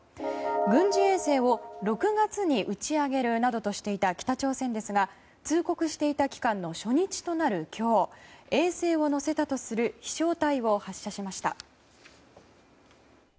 軍事衛星を６月に打ち上げるなどとしていた北朝鮮ですが通告していた期間の初日となる今日衛星を載せたとする飛翔体を発射しました。